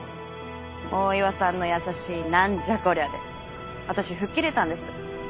大岩さんの優しい「なんじゃ？こりゃ」で私吹っ切れたんです。